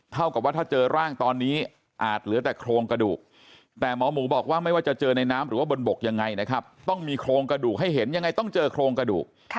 เท่ากับว่าถ้าเจอร่างตอนนี้อาจเหลือแต่โครงกระดูกแต่หมอหมูบอกว่าไม่ว่าจะเจอในน้ำหรือว่าบนบกยังไงนะครับต้องมีโครงกระดูกให้เห็นยังไงต้องเจอโครงกระดูก